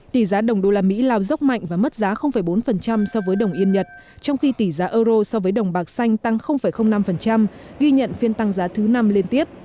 tỷ giá đồng đô la mỹ lao dốc mạnh và mất giá bốn so với đồng yên nhật trong khi tỷ giá euro so với đồng bạc xanh tăng năm ghi nhận phiên tăng giá thứ năm liên tiếp